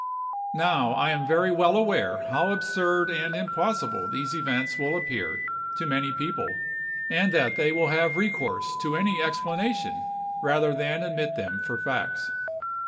Now, I am very well aware how absurd and impossible these events will appear to many people, and that they will have recourse to any explanation rather than admit them for facts.